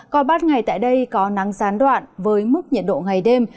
còn bát ngày tại đây có nắng gián đoạn với mức nhiệt độ ngày đêm